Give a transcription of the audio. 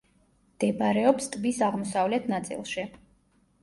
მდებარეობს ტბის აღმოსავლეთ ნაწილში.